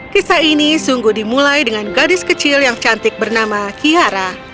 kisah ini sungguh dimulai dengan gadis kecil yang cantik bernama kiara